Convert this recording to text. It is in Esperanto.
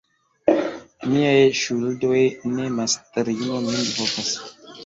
Miaj ŝuldoj de mastrino min vokas.